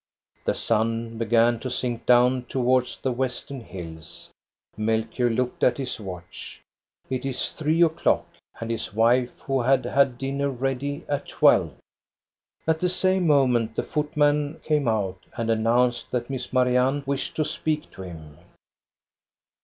The sun began to sink down towards the western hills. Melchior looked at his watch. It is three o'clock. And his wife, who had had dinner ready at twelve ! At the same moment the footman came out and announced that Miss Marianne wished to speak to him.